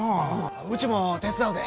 うちも手伝うで。